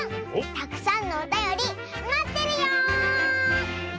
たくさんのおたよりまってるよ！